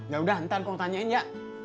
yaudah ntar kong tanyain ya